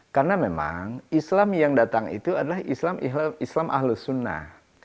karena memang islam yang datang itu adalah islam ahlus sunnah